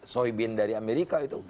soybean dari amerika itu